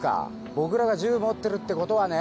僕らが銃持ってるってことはね。